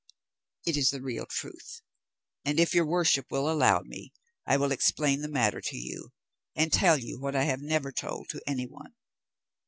"It is the real truth, and if your worship will allow me, I will explain the matter to you, and tell you what I have never told to any one."